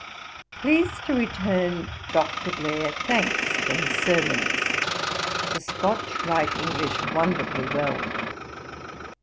'Please to return Dr. Blair thanks for his sermons. The Scotch write English wonderfully well.